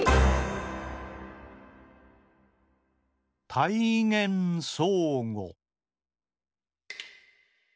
「たいげんそうご」。